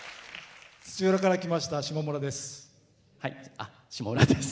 土浦から来ましたしもむらです。